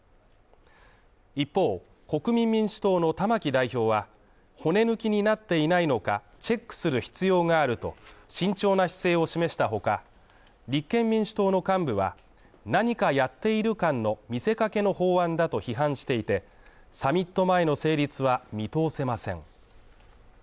一方、国民民主党の玉木代表は骨抜きになっていないのか、チェックする必要があると慎重な姿勢を示した他、立憲民主党の幹部は、何かやっている感の見せかけの法案だと批判していて、サミット前の成立は見通せません。